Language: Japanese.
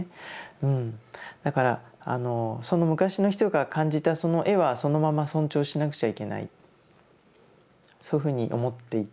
だからその昔の人が感じたその絵はそのまま尊重しなくちゃいけないそういうふうに思っていて。